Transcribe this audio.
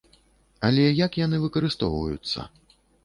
Але як яны выкарыстоўваюцца?